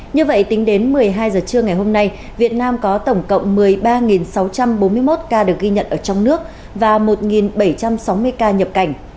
như vậy tính đến một mươi hai giờ trưa ngày hôm nay việt nam có tổng cộng một mươi ba sáu trăm bốn mươi một ca được ghi nhận ở trong nước và một bảy trăm sáu mươi ca nhập cảnh